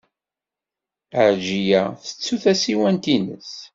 Ɛelǧiya tettu tasiwant-nnes.